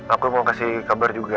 aku mau kasih kabar juga